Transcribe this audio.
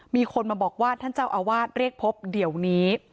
มีคนมาบอกว่าท่านเจ้าอาวาสเรียกพบเดี๋ยวนี้